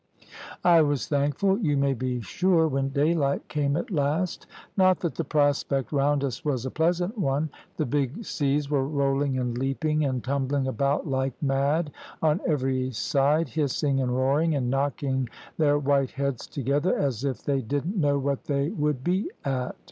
I was thankful, you may be sure, when daylight came at last not that the prospect round us was a pleasant one. The big seas were rolling and leaping, and tumbling about like mad, on every side hissing and roaring, and knocking their white heads together, as if they didn't know what they would be at.